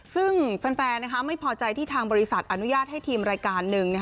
ซึ่งแฟนไม่พอใจที่ทางบริษัทอนุญาตให้ทีมรายการหนึ่ง